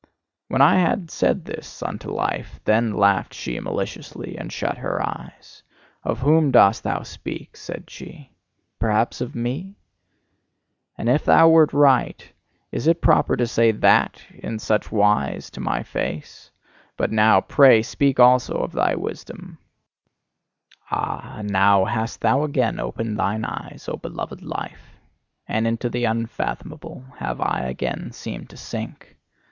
When I had said this unto Life, then laughed she maliciously, and shut her eyes. "Of whom dost thou speak?" said she. "Perhaps of me? And if thou wert right is it proper to say THAT in such wise to my face! But now, pray, speak also of thy Wisdom!" Ah, and now hast thou again opened thine eyes, O beloved Life! And into the unfathomable have I again seemed to sink.